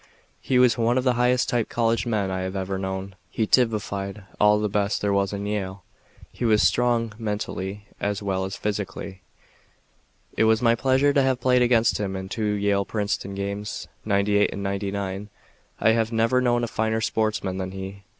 He was one of the highest type college men I have ever known. He typified all the best there was in Yale. He was strong mentally, as well as physically. It was my pleasure to have played against him in two Yale Princeton games, '98 and '99. I have never known a finer sportsman than he.